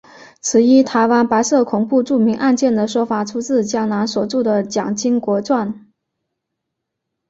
此一台湾白色恐怖著名案件的说法出自江南所着的蒋经国传。